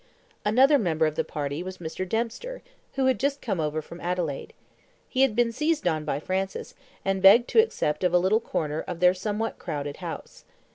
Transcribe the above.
Another member of the party was Mr. Dempster, who had just come over from Adelaide. He had been seized on by Francis, and begged to accept of a little corner of their somewhat crowded house.